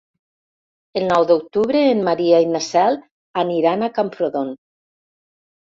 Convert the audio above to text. El nou d'octubre en Maria i na Cel aniran a Camprodon.